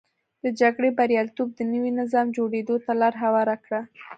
د جګړې بریالیتوب د نوي نظام جوړېدو ته لار هواره کړه.